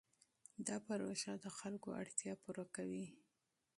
دا پروژه د خلکو اړتیا پوره کوي.